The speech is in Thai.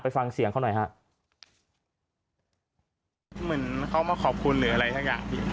ฟังเสียงเขาหน่อยฮะเหมือนเขามาขอบคุณหรืออะไรสักอย่างพี่